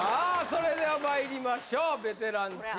それではまいりましょうベテランチーム年の差！